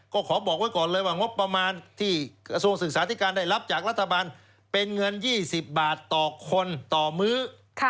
ก็ขอบอกไว้ก่อนเลยว่างบประมาณที่กระทรวงศึกษาธิการได้รับจากรัฐบาลเป็นเงิน๒๐บาทต่อคนต่อมื้อ